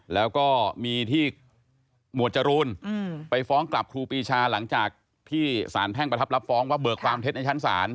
แล้วก็มีที่หมวดจรูนไปฟ้องกลับครูปีชาหลังจากที่สารแพ่งประทับรับฟ้องว่าเบิกความเท็จในชั้นศาล